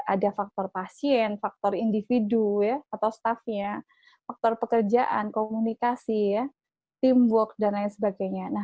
ada faktor pasien faktor individu atau staffnya faktor pekerjaan komunikasi teamwork dan lain sebagainya